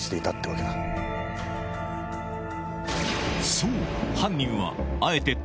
そう！